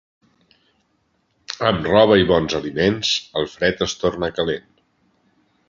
Amb roba i bons aliments el fred es torna calent.